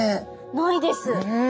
ないです。